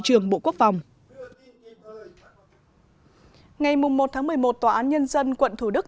trường bộ quốc phòng ngày một một mươi một tòa án nhân dân quận thủ đức